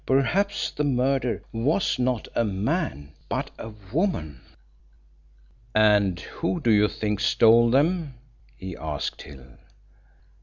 Perhaps the murderer was not a man, but a woman. "And who do you think stole them?" he asked Hill.